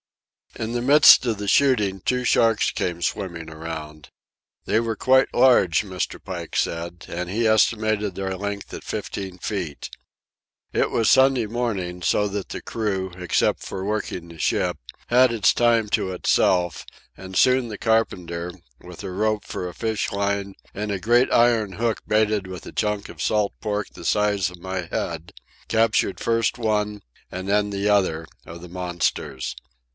In the midst of the shooting, two sharks came swimming around. They were quite large, Mr. Pike said, and he estimated their length at fifteen feet. It was Sunday morning, so that the crew, except for working the ship, had its time to itself, and soon the carpenter, with a rope for a fish line and a great iron hook baited with a chunk of salt pork the size of my head, captured first one, and then the other, of the monsters.